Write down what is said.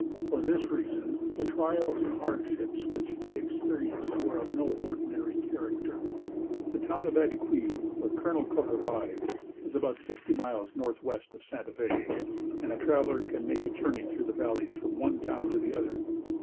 For this reason, the trials and hardships which they experienced were of no ordinary character. The town of Abiquiu, where Colonel Cook arrived, is about sixty miles northwest from Santa Fé, and a traveler can make a journey through valleys from one town to the other.